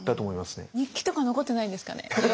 日記とか残ってないんですかね？